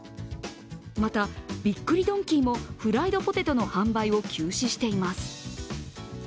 また、びっくりドンキーもフライドポテトの販売を休止しています。